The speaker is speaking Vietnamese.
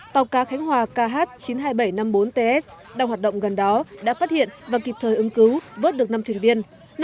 tàu cá khánh hòa kh chín mươi hai nghìn bảy trăm năm mươi bốn ts đang hoạt động gần đó đã phát hiện và kịp thời ứng cứu vớt được năm thuyền viên